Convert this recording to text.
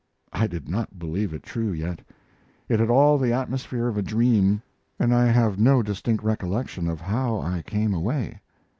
I did not believe it true yet. It had all the atmosphere of a dream, and I have no distinct recollection of how I came away.